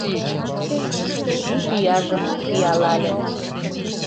Изи пӱяжым пӱялальым